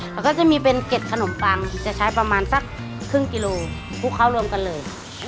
แล้วก็จะมีเป็นเกร็ดขนมปังจะใช้ประมาณสักครึ่งกิโลคลุกเคล้ารวมกันเลย